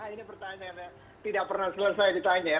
ini pertanyaan yang tidak pernah selesai ditanya